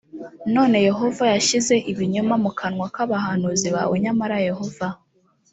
none yehova yashyize ibinyoma mu kanwa k’aba bahanuzi bawe nyamara yehova